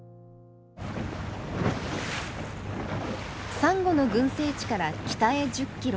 サンゴの群生地から北へ１０キロ。